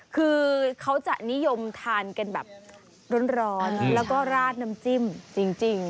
คือเขาจะนิยมทานกันแบบร้อนแล้วก็ราดน้ำจิ้มจริง